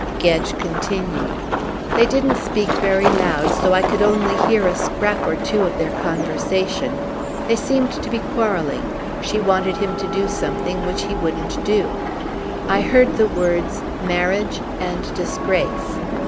Gedge continued. "They didn't speak very loud, so I could only hear a scrap or two of their conversation. They seemed to be quarrelling she wanted him to do something which he wouldn't do. I heard the words 'marriage' and 'disgrace.'